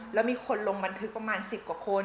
แล้วมีคนลงบันทึกประมาณ๑๐กว่าคน